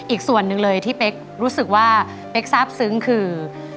อีกส่วนหนึ่งเลยที่เป๊กรู้สึกว่าเป๊กทราบซึ้งคือ